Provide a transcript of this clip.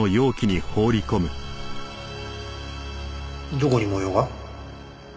どこに模様が？